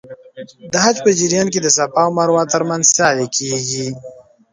د حج په جریان کې د صفا او مروه ترمنځ سعی کېږي.